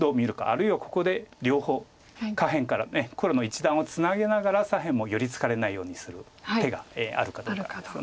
あるいはここで両方下辺からの黒の一団をツナげながら左辺も寄り付かれないようにする手があるかどうかです。